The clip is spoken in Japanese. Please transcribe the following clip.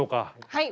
はい。